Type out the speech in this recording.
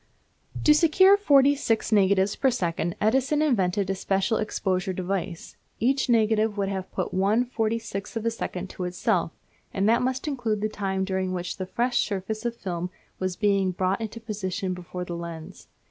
To secure forty six negatives per second Edison invented a special exposure device. Each negative would have but one forty sixth of a second to itself, and that must include the time during which the fresh surface of film was being brought into position before the lens.